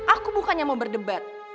aku bukannya mau berdebat